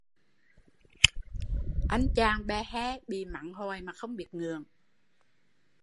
Anh chàng be he bị mắng hoài mà không biết ngượng